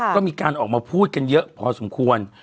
ก็มีการออกมาพูดกันเยอะพอสมควร